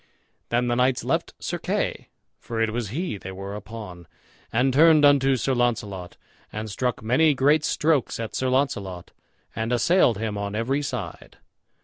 Then the knights left Sir Kay, for it was he they were upon, and turned unto Sir Launcelot, and struck many great strokes at Sir Launcelot, and assailed him on every side.